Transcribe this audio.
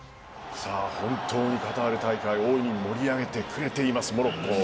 本当にカタール大会大いに盛り上げてくれていますモロッコ。